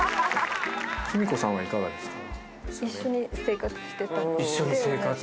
純子さんはいかがですか？